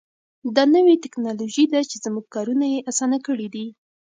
دا نوې تکنالوژي ده چې زموږ کارونه یې اسانه کړي دي.